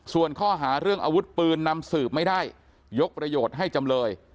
ส่วนข้อหาเรื่องอาวุธปืนนำสืบไม่ได้ยกประโยชน์ให้จำเลย